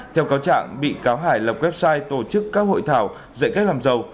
theo cáo trạng bị cáo hải lập website tổ chức các hội thảo dạy cách làm giàu